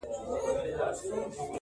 نیکه ویل چي دا پنځه زره کلونه کیږي،